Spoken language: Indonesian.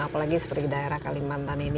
apalagi seperti daerah kalimantan ini